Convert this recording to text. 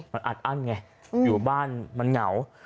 มันอัดอั้นไงอยู่บ้านมันเหงา